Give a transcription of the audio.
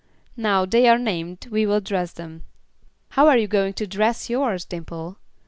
"Now they are named, we will dress them." "How are you going to dress yours, Dimple?"